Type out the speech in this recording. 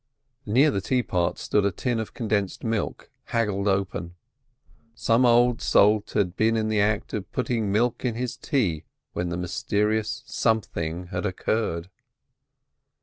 Near the teapot stood a tin of condensed milk, haggled open. Some old salt had just been in the act of putting milk in his tea when the mysterious something had occurred.